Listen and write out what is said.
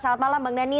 salam malam bang daniel